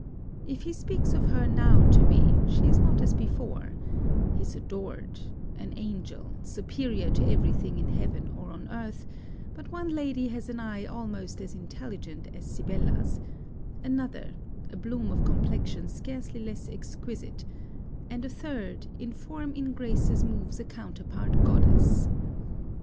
If he speaks of her now to me, she is not as before his adored an angel superior to every thing in heaven or on earth but one lady has an eye almost as intelligent as Sibella's another, a bloom of complexion scarcely less exquisite and a third, in form in graces moves a counterpart goddess!